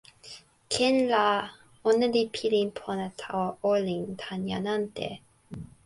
ken la, ona li pilin pona tawa olin tan jan ante.